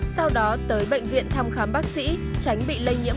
sau đó tới bệnh viện thăm khám bác sĩ tránh bị lây nhiễm bệnh nguy hiểm